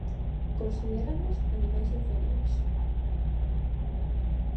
Considéranos animais inferiores.